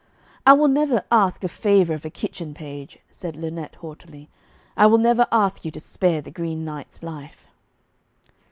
'I will never ask a favour of a kitchen page,' said Lynette haughtily. 'I will never ask you to spare the Green Knight's life.'